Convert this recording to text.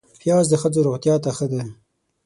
پیاز د ښځو روغتیا ته ښه دی